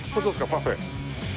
パフェ。